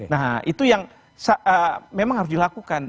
nah itu yang memang harus dilakukan